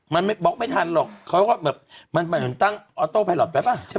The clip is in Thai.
มันไม่บล็อกไม่ทันหรอกเขาก็แบบมันเหมือนตั้งออโต้ไพลอทไปป่ะใช่ไหม